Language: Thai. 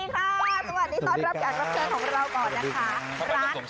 ก็สวัสดีค่ะสวัสดีครับรับการรับเครื่องของเราก่อนนะคะ